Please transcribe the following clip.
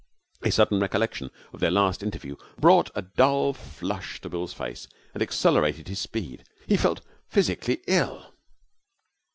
A sudden recollection of their last interview brought a dull flush to Bill's face and accelerated his speed. He felt physically ill.